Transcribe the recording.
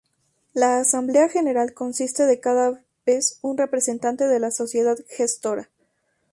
La Asamblea General consiste de cada vez un representante de la sociedad gestora.